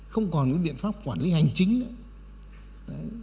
không còn cái biện pháp quản lý hành chính nữa